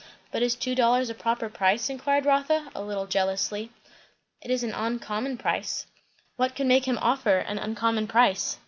"But is two dollars a proper price?" inquired Rotha a little jealously. "It is an uncommon price." "What could make him offer an uncommon price?"